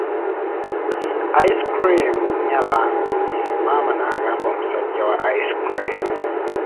Ice cream nnya bambi, maama n'agamba omusaijja wa ice cream.